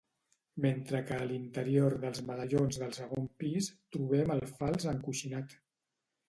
Mentre que a l'interior dels medallons del segon pis trobem el fals encoixinat.